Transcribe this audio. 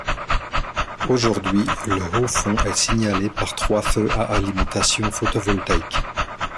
Aujourd'hui le haut fond est signalé par trois feux à alimentation photovoltaïque.